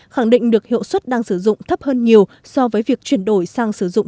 khẳng định được hiệu suất đang sử dụng thấp hơn nhiều so với việc chuyển đổi sang sử dụng